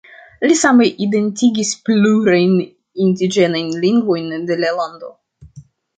Li same identigis plurajn indiĝenajn lingvojn de la lando.